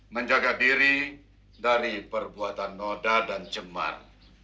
menjaga diri dari perbuatan noda dan cemar